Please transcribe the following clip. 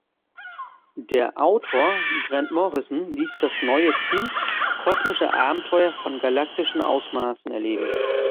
Der Autor "Grant Morrison" ließ das neue Team kosmische Abenteuer von galaktischen Ausmaßen erleben.